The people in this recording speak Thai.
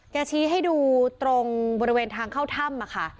ชี้ให้ดูตรงบริเวณทางเข้าถ้ำค่ะ